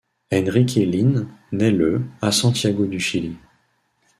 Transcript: Enrique Lihn naît le à Santiago du Chili.